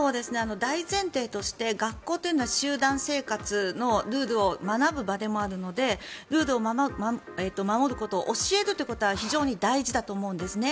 大前提として学校というのは、集団生活のルールを学ぶ場でもあるのでルールを守ることを教えるということは非常に大事だと思うんですね。